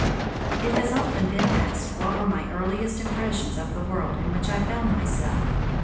It has often been asked what were my earliest impressions of the world in which I found myself.